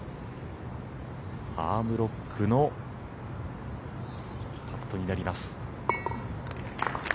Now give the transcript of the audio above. アームロックのパットになります。